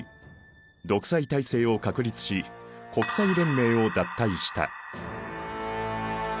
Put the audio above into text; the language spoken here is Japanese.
独裁体制を確立し国際連盟を脱退した。